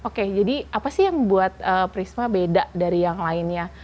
oke jadi apa sih yang buat prisma beda dari yang lainnya